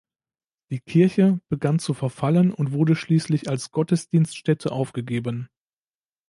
Die Kirche begann zu verfallen und wurde schließlich als Gottesdienststätte aufgegeben.